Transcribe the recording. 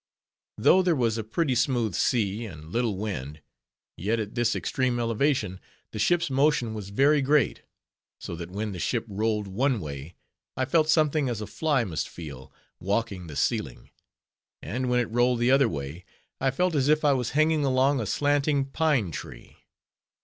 Though there was a pretty smooth sea, and little wind; yet, at this extreme elevation, the ship's motion was very great; so that when the ship rolled one way, I felt something as a fly must feel, walking the ceiling; and when it rolled the other way, I felt as if I was hanging along a slanting pine tree.